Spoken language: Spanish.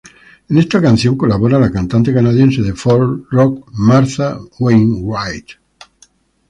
En esta canción colabora la cantante canadiense de folk rock Martha Wainwright.